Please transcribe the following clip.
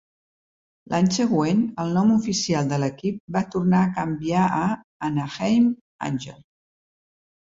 L'any següent, el nom oficial de l'equip va tornar a canviar a "Anaheim Angels".